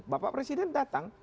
bapak presiden datang